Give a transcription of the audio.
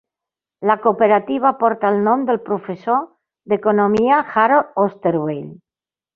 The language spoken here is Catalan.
La cooperativa porta el nom del professor d'Economia Harold Osterweil.